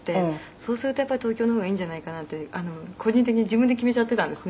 「そうするとやっぱり東京の方がいいんじゃないかなって個人的に自分で決めちゃっていたんですね」